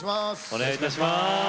お願いいたします。